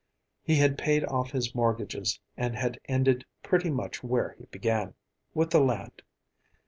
He had paid off his mortgages and had ended pretty much where he began, with the land.